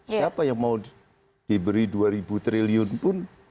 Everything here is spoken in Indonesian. siapa yang mau diberi dua ribu triliun pun